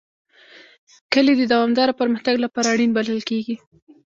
کلي د دوامداره پرمختګ لپاره اړین بلل کېږي.